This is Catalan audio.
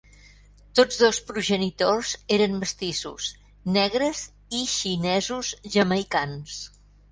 Tots dos progenitors eren mestissos: negres i xinesos-jamaicans.